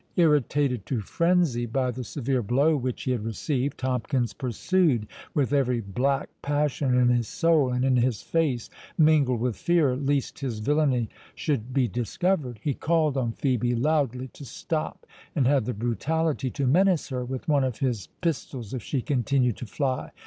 Irritated to frenzy by the severe blow which he had received, Tomkins pursued, with every black passion in his soul and in his face, mingled with fear least his villany should be discovered. He called on Phœbe loudly to stop, and had the brutality to menace her with one of his pistols if she continued to fly.